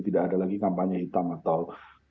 tidak ada lagi kampanye hitam atau